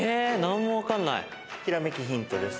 ひらめきヒントです。